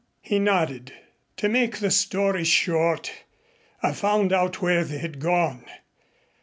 He nodded. "To make the story short, I found out where they had gone.